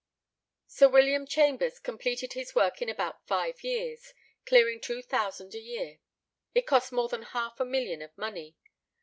Sir William Chambers completed his work in about five years, clearing two thousand a year. It cost more than half a million of money.